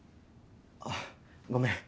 あっごめん。